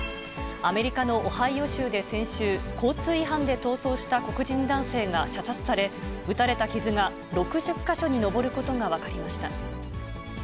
アメリカのオハイオ州で先週、交通違反で逃走した黒人男性が射殺され、撃たれた傷が６０か所に上ることが分かりました。